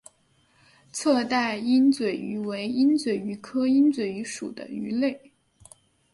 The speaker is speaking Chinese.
侧带鹦嘴鱼为鹦嘴鱼科鹦嘴鱼属的鱼类。